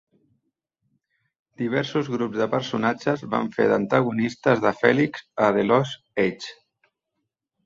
Diversos grups de personatges van fer d'antagonistes de Felix a "The Lost Age".